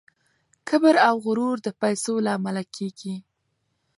کبر او غرور د پیسو له امله کیږي.